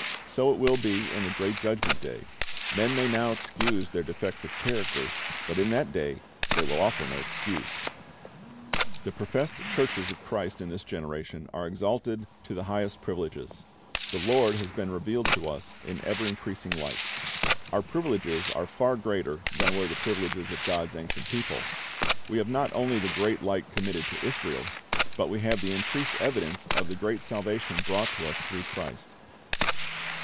So it will be in the great Judgment day. Men may now excuse their defects of character, but in that day they will offer no excuse. The professed churches of Christ in this generation are exalted to the highest privileges. The Lord has been revealed to us in ever increasing light. Our privileges are far greater than were the privileges of God's ancient people. We have not onh' the great light committed to Israel, but we have the increased evidence of the great salvation brought to us through Christ.